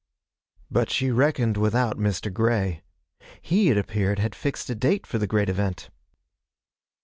But she reckoned without Mr. Grey. He, it appeared, had fixed a date for the great event.